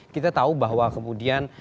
kita tahu bahwa kemudian